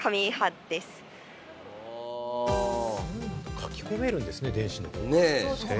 書き込めるんですね、電子の本は。